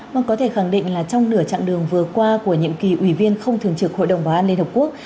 vâng có thể khẳng định là trong nửa chặng đường vừa qua của nhiệm kỳ ủy viên không thường trực hội đồng bảo an liên hợp quốc